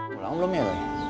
pulang belum ya lu